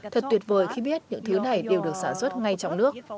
thật tuyệt vời khi biết những thứ này đều được sản xuất ngay trong nước